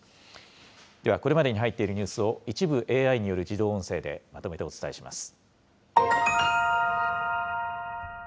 ではこれまでに入っているニュースを、一部ＡＩによる自動音声でまとめてお伝えします。